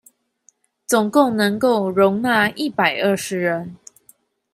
總共能夠容納一百二十人